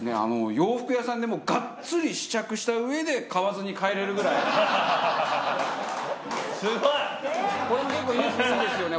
洋服屋さんでもうがっつり試着した上で買わずに帰れるぐらいすごいこれも結構勇気要るんですよね